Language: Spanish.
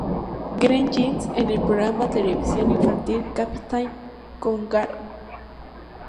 Green Jeans" en el programa televisivo infantil "Captain Kangaroo".